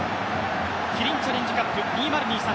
キリンチャレンジカップ２０２３